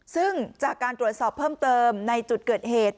ซึ่งจากการตรวจสอบเพิ่มเติมในจุดเกิดเหตุ